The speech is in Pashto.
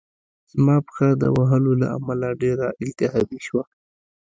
زما پښه د وهلو له امله ډېره التهابي شوه